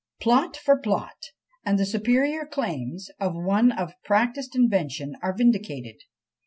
Plot for plot! and the superior claims of one of practised invention are vindicated!